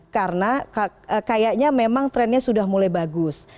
karena kayaknya memang trennya sudah mulai bagus